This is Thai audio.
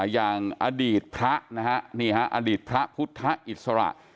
อย่างอดีตพระพุทธาอิสระ